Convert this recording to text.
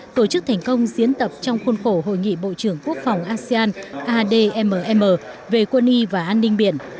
tổ chức thành công diễn tập trong khuôn khổ hội nghị bộ trưởng quốc phòng asean admm về quân y và an ninh biển